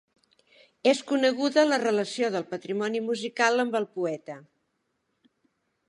És coneguda la relació del patrimoni musical amb el poeta.